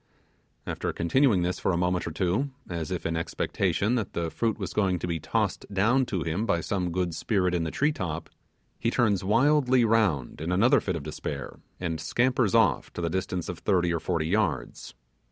After continuing this for a moment or two, as if in expectation that the fruit was going to be tossed down to him by some good spirit in the tree top, he turns wildly round in another fit of despair, and scampers off to the distance of thirty or forty yards.